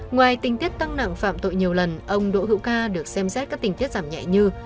ngoài tình tiết tăng nặng phạm tội nhiều lần ông đỗ hữu ca được xem xét các tình tiết giảm nhẹ như